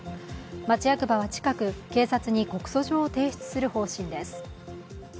町役場は近く、警察に告訴状を提出する方針です。